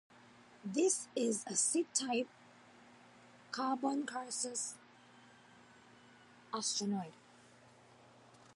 This is a C-type carbonaceous asteroid.